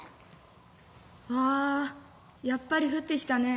「わやっぱり降ってきたね！